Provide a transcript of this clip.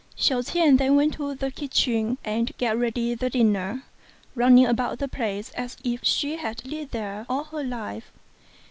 Hsiao ch'ien then went into the kitchen and got ready the dinner, running about the place as if she had lived there all her life.